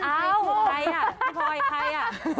ถูกใครอ่ะพี่พลอยใครอ่ะ